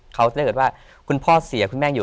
เขาถ้าเกิดว่าคุณพ่อเสียคุณแม่อยู่